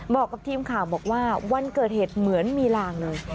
บอกกับทีมข่าวบอกว่าวันเกิดเหตุเหมือนมีลางเลย